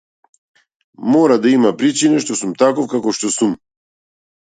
Мора да има причина што сум таков каков што сум.